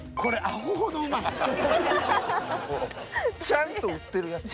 ちゃんと売ってるやつ。